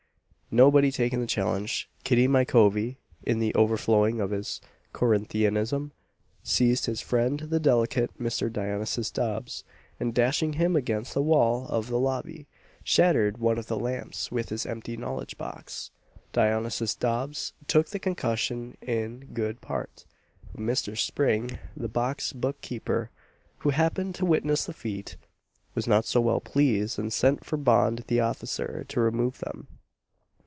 Nobody taking the challenge, Kitty my covy, in the overflowing of his Corinthianism, seized his friend, the delicate Mr. Dionysius Dobbs, and dashing him against the wall of the lobby, shattered one of the lamps with his empty knowledge box. Dionysius Dobbs took the concussion in good part; but Mr. Spring, the box book keeper, who happened to witness the feat, was not so well pleased, and sent for Bond, the officer, to remove them.